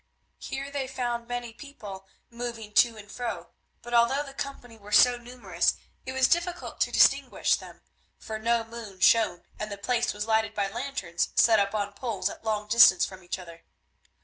Here they found many people moving to and fro, but although the company were so numerous it was difficult to distinguish them, for no moon shone, and the place was lighted by lanterns set up on poles at long distances from each other.